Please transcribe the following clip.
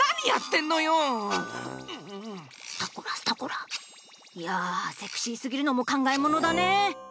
いやセクシーすぎるのも考えものだね。